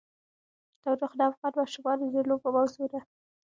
تودوخه د افغان ماشومانو د لوبو موضوع ده.